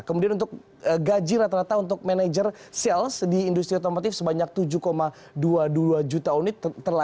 kemudian untuk gaji rata rata untuk manajer sales di industri otomotif sebanyak tujuh dua puluh dua juta unit